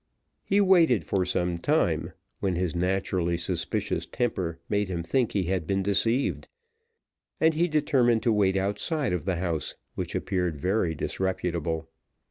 He waited for some time, when his naturally suspicious temper made him think he had been deceived, and he determined to wait outside of the house, which appeared very disreputable.